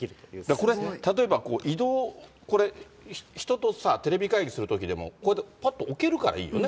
これ、例えば移動、人とさ、テレビ会議するときでもこうやってぱっと置けるからいいよね。